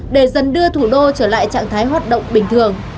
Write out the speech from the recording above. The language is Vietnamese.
để dần đưa thủ đô trở lại trạng thái hoạt động bình thường